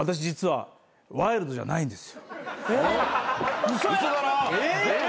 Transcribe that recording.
俺ワイルドじゃねえんですよ。